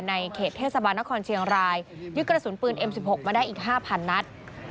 ในเขตเทศบาลนครเชียงรายยึดกระสุนปืนเอ็มสิบหกมาได้อีก๕๐๐นัด